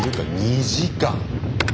２時間！